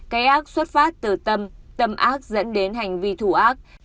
cái ác xuất phát từ tâm tâm ác dẫn đến hành vi thủ ác